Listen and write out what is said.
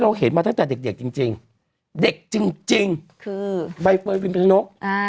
เราเห็นมาตั้งจากเด็กจริงเด็กจริงคือใบเฟิร์นฟิล์นก